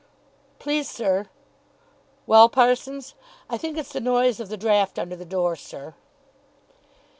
"Please, sir." "Well, Parsons?" "I think it's the noise of the draught under the door, sir."